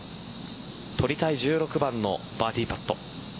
取りたい６番のバーディーパット。